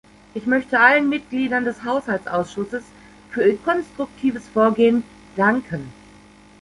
Ich möchte allen Mitgliedern des Haushaltsausschusses für ihr konstruktives Vorgehen danken.